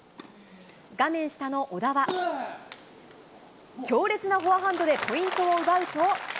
画面下の小田は、強烈なフォアハンドでポイントを奪うと。